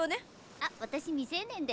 あっ私未成年で。